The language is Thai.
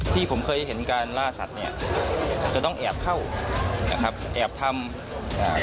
ที่ผมเคยเห็นการล่าสัตว์จะต้องแอบเข้าแอบทำ